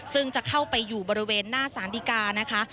ซึ่งจะเข้าไปอยู่บริเวณหน้าสารดีกานะคะ